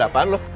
ada apaan lu